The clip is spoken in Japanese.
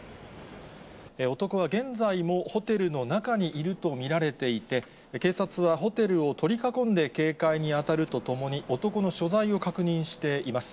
男は現在もホテルの中にいると見られていて、警察はホテルを取り囲んで警戒に当たるとともに、男の所在を確認しています。